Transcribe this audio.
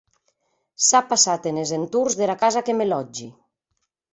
S’a passat enes entorns dera casa que me lòtgi.